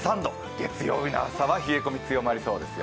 月曜日の朝は冷え込み強まりそうですよ。